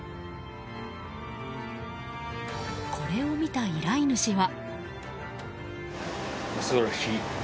これを見た依頼主は。